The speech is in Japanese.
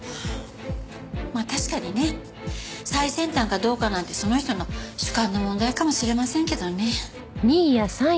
まあ確かにね最先端かどうかなんてその人の主観の問題かもしれませんけどね。